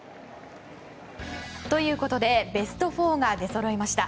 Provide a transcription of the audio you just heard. ということでベスト４が出そろいました。